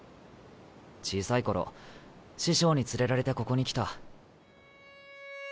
小さい頃師匠に連れられてここに来た。